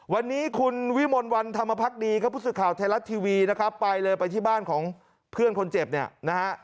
วันนี้คุณวิมลวันธรรมพักดีครับผู้สื่อข่าวไทยรัฐทีวีนะครับไปเลยไปที่บ้านของเพื่อนคนเจ็บเนี่ยนะฮะ